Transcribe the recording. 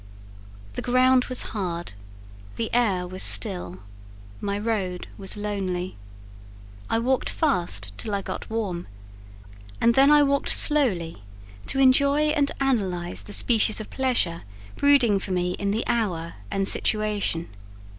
The ground was hard, the air was still, my road was lonely; I walked fast till I got warm, and then I walked slowly to enjoy and analyse the species of pleasure brooding for me in the hour and situation.